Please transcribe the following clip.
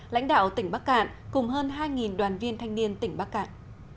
lãnh đạo tỉnh bắc cạn cùng hơn hai đoàn viên thanh niên tỉnh bắc cạn